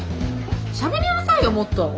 しゃべりなさいよもっと。